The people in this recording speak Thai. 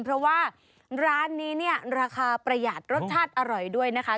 เพราะว่าร้านนี้เนี่ยราคาประหยัดรสชาติอร่อยด้วยนะคะ